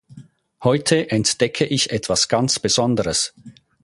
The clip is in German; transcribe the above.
Heute entdecke ich etwas ganz Besonderes.